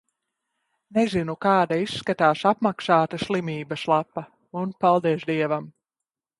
Nezinu, kāda izskatās apmaksāta "slimības lapa". Un, paldies Dievam.